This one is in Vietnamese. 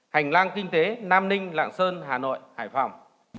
hành lang kinh tế nam ninh lạng sơn hà nội hải phòng